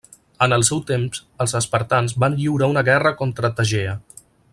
En el seu temps els espartans van lliurar una guerra contra Tegea.